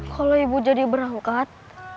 kalau ibu jadi berangkat